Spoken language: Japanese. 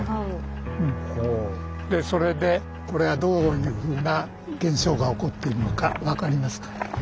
それでこれはどういうふうな現象が起こっているのか分かりますか？